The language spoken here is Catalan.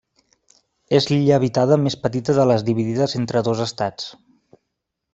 És l'illa habitada més petita de les dividides entre dos estats.